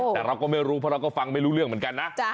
แต่เราก็ไม่รู้เพราะเราก็ฟังไม่รู้เรื่องเหมือนกันนะ